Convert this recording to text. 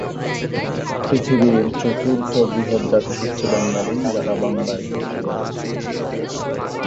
জাতীয় সঞ্চয় অধিদপ্তর অর্থ মন্ত্রণালয়ের অভ্যন্তরীণ সম্পদ বিভাগের অধীনস্থ একটি অধিদপ্তর।